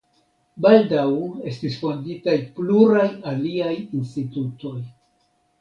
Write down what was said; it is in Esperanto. Baldaŭ estis fonditaj pluraj aliaj institutoj.